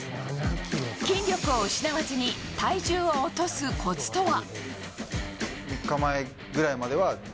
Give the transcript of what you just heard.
筋力を失わずに体重を落とすコツとは？